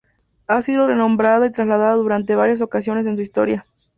Ha sido renombrada y trasladada durante varias ocasiones en su historia.